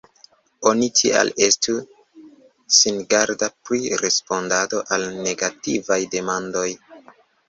Oni tial estu singarda pri respondado al negativaj demandoj.